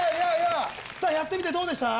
やってみてどうでした？